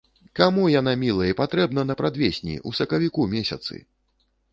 Каму яна міла й патрэбна напрадвесні, у сакавіку месяцы?!